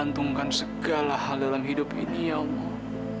antungkan segala hal dalam hidup ini ya allah